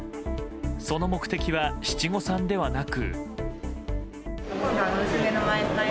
その目的は七五三ではなく。